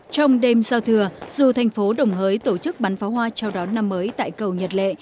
trong đêm giao thừa dù thành phố đồng hới tổ chức bắn pháo hoa trao đón năm mới tại cầu nhật lệ